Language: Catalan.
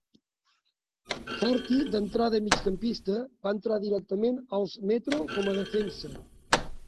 Harty, d'entrada migcampista, va entrar directament als Metro com a defensa.